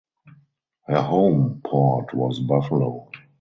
Her home port was Buffalo.